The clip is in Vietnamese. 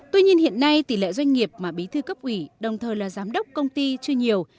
tuy nhiên hiện nay tỷ lệ doanh nghiệp mà bí thư cấp ủy đồng thời là giám đốc công ty chưa nhiều